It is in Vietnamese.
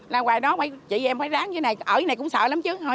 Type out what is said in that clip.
là hoài đó chị em phải ráng chứ ở đây cũng sợ lắm chứ